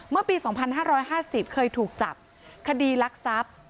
เมื่อปี๒๕๕๐เคยถูกจับคดีรักทรัพย์